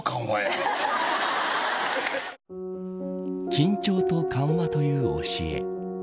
緊張と緩和という教え。